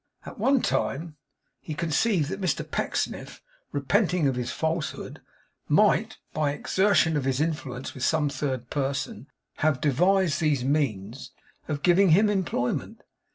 At one time, he conceived that Mr Pecksniff, repenting of his falsehood, might, by exertion of his influence with some third person have devised these means of giving him employment.